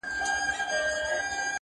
پوليس کور پلټي او سواهد راټولوي ډېر جدي.